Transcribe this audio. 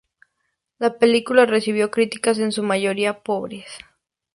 La película recibió críticas en su mayoría pobres.